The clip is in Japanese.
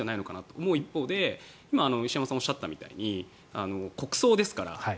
そう思う一方で石山さんがおっしゃったみたいに国葬ですから。